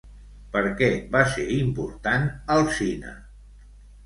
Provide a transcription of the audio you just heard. Per què va ser important Alsina?